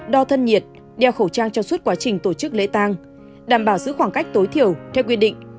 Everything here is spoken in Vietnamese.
đo thân nhiệt đeo khẩu trang trong suốt quá trình tổ chức lễ tang đảm bảo giữ khoảng cách tối thiểu theo quy định